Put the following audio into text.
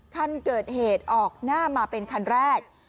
คันเกิดเหตุออกหน้ามาเป็นคันแรก